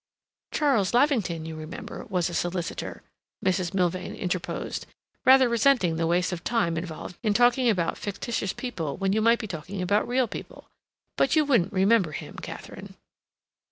"Charles Lavington, you remember, was a solicitor," Mrs. Milvain interposed, rather resenting the waste of time involved in talking about fictitious people when you might be talking about real people. "But you wouldn't remember him, Katharine."